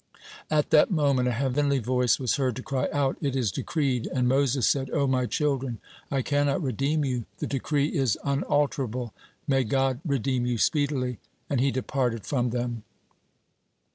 (36) At that moment a heavenly voice was heard to cry out: "It is decreed!" And Moses said: "O my children, I cannot redeem you, the decree is unalterable may God redeem you speedily," and he departed from them.